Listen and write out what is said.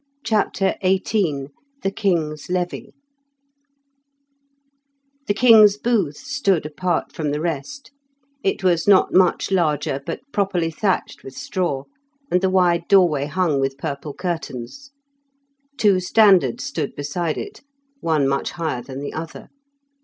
CHAPTER XVIII THE KING'S LEVY The king's booth stood apart from the rest; it was not much larger, but properly thatched with straw, and the wide doorway hung with purple curtains. Two standards stood beside it; one much higher than the other.